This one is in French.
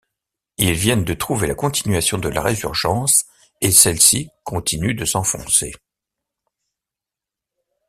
Ils viennent de trouver la continuation de la résurgence et celle-ci continue de s'enfoncer.